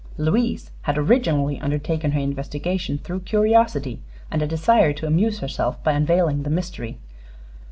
Louise had originally undertaken her investigation through curiosity and a desire to amuse herself by unveiling the mystery.